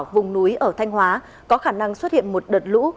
vùng núi ở thanh hóa có khả năng xuất hiện một đợt lũ